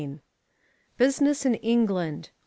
VII. Business in England.